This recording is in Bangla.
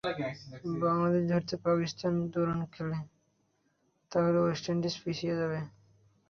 বাংলাদেশকে ধরতে পাকিস্তান যদি দারুণ খেলে, তাহলে ওয়েস্ট ইন্ডিজ পিছিয়ে যাবে।